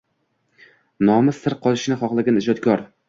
Nomi sir qolishini xohlagan ijodkor.